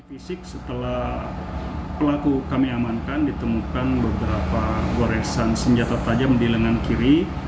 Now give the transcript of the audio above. fisik setelah pelaku kami amankan ditemukan beberapa goresan senjata tajam di lengan kiri